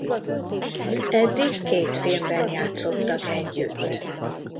Eddig két filmben játszottak együtt.